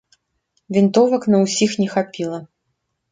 Вінтовак на ўсіх не хапіла.